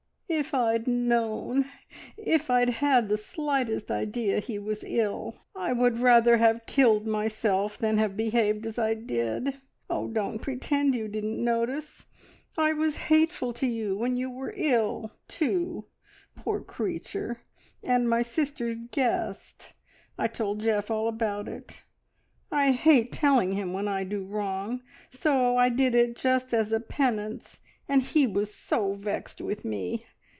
"If I'd known if I'd had the slightest idea he was ill, I would rather have killed myself than have behaved as I did! Oh, don't pretend you didn't notice! I was hateful to you when you were ill, too, poor creature, and my sister's guest. I told Geoff all about it. I hate telling him when I do wrong, so I did it just as a penance, and he was so vexed with me.